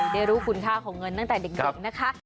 ได้รู้คุณค่าของเงินตั้งแต่เด็กนะคะ